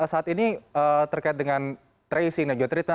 saat ini terkait dengan tracing dan geotreatment